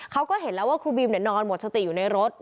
เขาก็เห็นแล้วว่าครูบีมนอนหมดสติอยู่ในรถ